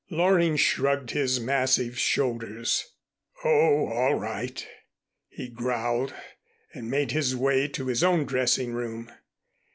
Loring shrugged his massive shoulders. "Oh, all right," he growled, and made his way to his own dressing room.